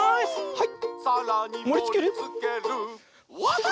はい。